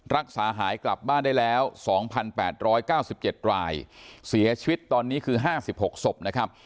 รักษาหายกลับบ้านได้แล้ว๒๘๙๗รายเสียชีวิตตอนนี้คือ๕๖ศพนะครับ